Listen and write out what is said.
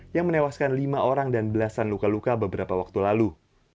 yang menewaskan lima orang dan belasan luka luka beberapa waktu lalu